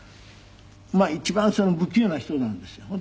まあ一番不器用な人なんですよ。